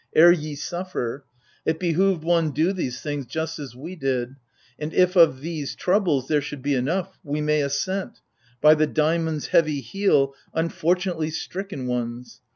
Ere ye suffer ! It behoved one do these things just as we did: And if of these troubles, there should be enough — we may assent — By the Daimon's heavy heel unfortunately stricken ones